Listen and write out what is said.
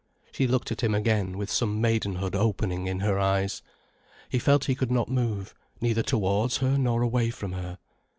She looked at him again, with some maidenhood opening in her eyes. He felt he could not move, neither towards her nor away from her.